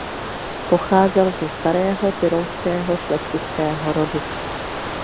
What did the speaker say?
Pocházel ze starého tyrolského šlechtického rodu.